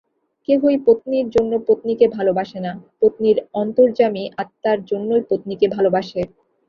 কেহই পত্নীর জন্য পত্নীকে ভালবাসে না, পত্নীর অন্তর্যামী আত্মার জন্যই পত্নীকে ভালবাসে।